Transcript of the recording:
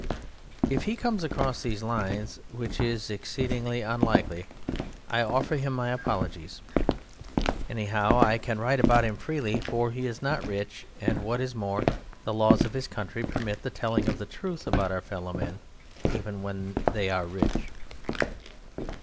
If he comes across these lines (which is exceedingly unlikely) I offer him my apologies. Anyhow, I can write about him freely, for he is not rich, and, what is more, the laws of his country permit the telling of the truth about our fellow men, even when they are rich.